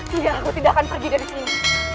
tidak aku tidak akan pergi dari sini